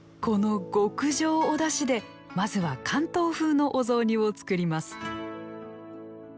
この極上おだしでまずは関東風のお雑煮を作ります